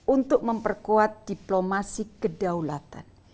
untuk memperkuat diplomasi kedaulatan